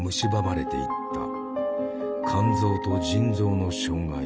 肝臓と腎臓の障害。